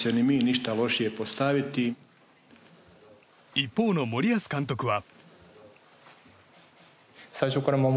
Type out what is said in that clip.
一方の森保監督は。